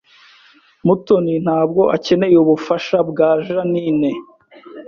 Mutoni ntabwo akeneye ubufasha bwa Jeaninne